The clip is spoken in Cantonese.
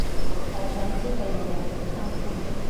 我想知佢日日點生活